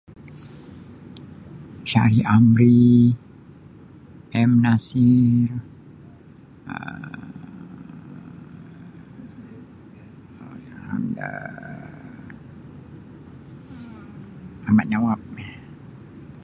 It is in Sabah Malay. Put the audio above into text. Saari Amri, M. Nasir, Um [unintelligible] Ahmad Nawab.